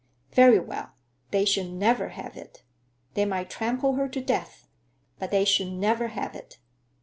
Very well; they should never have it. They might trample her to death, but they should never have it.